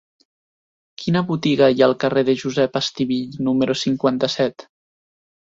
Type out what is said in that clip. Quina botiga hi ha al carrer de Josep Estivill número cinquanta-set?